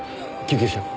救急車を。